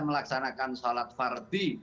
melaksanakan sholat fardi